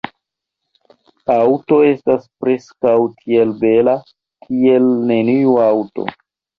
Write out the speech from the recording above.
Aŭto estas preskaŭ tiel bela kiel neniu aŭto.